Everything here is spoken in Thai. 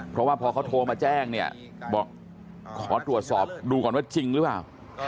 เพราะว่าพอเขาโทรมาแจ้งเนี่ยบอกขอตรวจสอบดูก่อนว่าจริงหรือเปล่า